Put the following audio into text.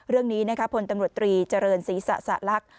เรื่องนี้พลตำรวจตรีเจริญศรีสะสลักษณ์